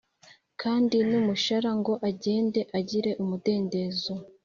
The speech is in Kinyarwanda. Kandi n’umushara ngo agende agire umudendezo